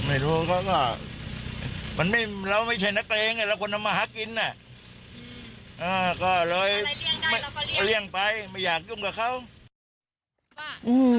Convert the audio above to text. อะไรเลี้ยงได้เราก็เลี้ยงไม่อยากยุ่งกับเขา